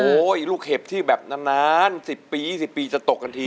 โอ้โหอีกลูกเห็บที่แบบนาน๑๐ปี๑๐ปีจะตกกันที